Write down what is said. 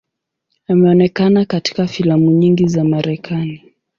Ameonekana katika filamu nyingi za Marekani.